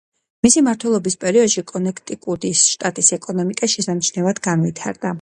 მისი მმართველობის პერიოდში კონექტიკუტის შტატის ეკონომიკა შესამჩნევად განვითარდა.